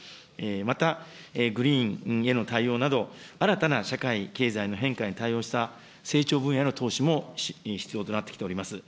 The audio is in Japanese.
またグリーンへの対応など、新たな社会経済の変化に対応した成長分野の投資も必要となってきております。